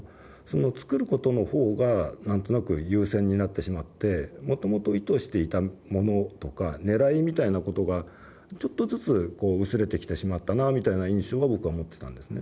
作ることの方が何となく優先になってしまってもともと意図していたものとかねらいみたいなことがちょっとずつこう薄れてきてしまったなみたいな印象が僕は思ってたんですね。